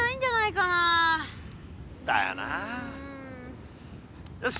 だよなよし！